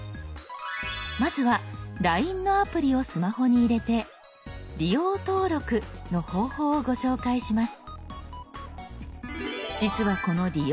まずは「ＬＩＮＥ」のアプリをスマホに入れて「利用登録」の方法をご紹介します。